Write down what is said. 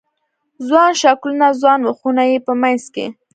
ځوان شکلونه، ځوان مخونه یې په منځ کې